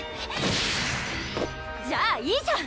じゃあいいじゃん！